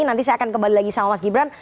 nanti saya akan kembali lagi sama mas gibran